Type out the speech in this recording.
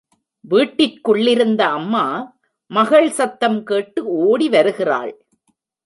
வீட்டிற்குள்ளிருந்த அம்மா, மகள் சத்தம் கேட்டு ஓடிவருகிறாள்.